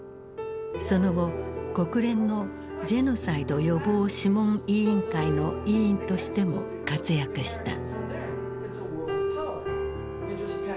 その後国連のジェノサイド予防諮問委員会の委員としても活躍した。